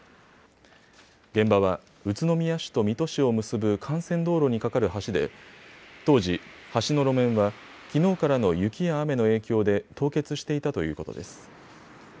現場は宇都宮市と水戸市を結ぶ幹線道路に架かる橋で当時、橋の路面はきのうからの雪や雨の影響で凍結していたということです。